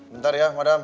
bentar ya madam